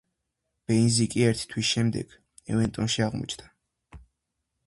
ბეინზი კი ერთი თვის შემდეგ ევერტონში აღმოჩნდა.